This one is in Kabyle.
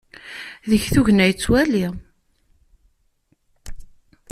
Deg tugna yettwali.